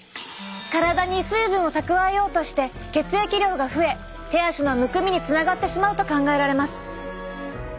体に水分を蓄えようとして血液量が増え手足のむくみにつながってしまうと考えられます。